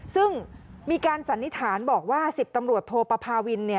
ซึ่งมีการสันนิษฐานบอกว่า๑๐ตำรวจโทปภาวิน